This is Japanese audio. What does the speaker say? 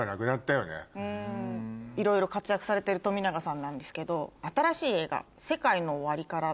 いろいろ活躍されてる冨永さんなんですけど。